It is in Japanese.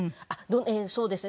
そうですね。